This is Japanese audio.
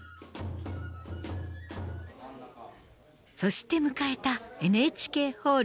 そして迎えたＮＨＫホール。